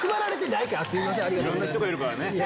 いろんな人がいるからね。